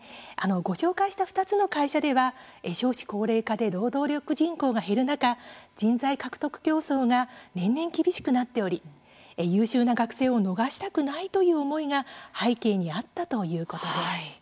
ご紹介した２つの会社では少子高齢化で労働力人口が減る中人材獲得競争が年々、厳しくなっており優秀な学生を逃したくないという思いが背景にあったということです。